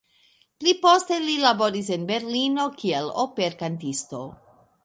Pli poste li laboris en Berlino kiel operkantisto.